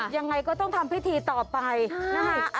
ยังไงก็ต้องทำพิธีต่อไปนะคะ